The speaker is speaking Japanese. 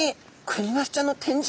クニマスちゃん。